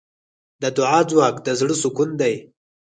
د دعا ځواک د زړۀ سکون دی.